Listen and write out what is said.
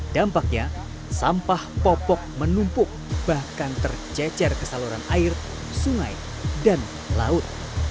dampaknya sampah popok menumpuk bahkan tercecer ke saluran air sungai dan laut